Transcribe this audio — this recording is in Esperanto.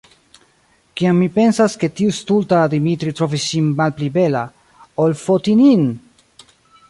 Kiam mi pensas, ke tiu stulta Dimitri trovis ŝin malpli bela, ol Fotini'n!